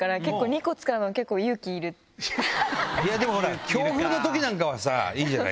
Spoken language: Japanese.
でも強風の時なんかはさいいんじゃない？